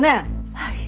はい。